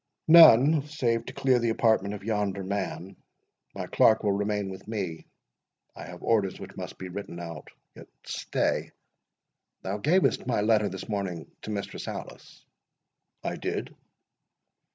"None, save to clear the apartment of yonder man. My clerk will remain with me—I have orders which must be written out.—Yet stay—Thou gavest my letter this morning to Mistress Alice?" "I did."